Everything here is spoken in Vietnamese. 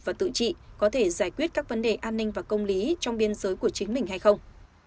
và tự trị có thể giải quyết các vấn đề an ninh và công lý trong biên giới của chính mình hay không